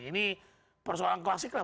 ini persoalan klasik lah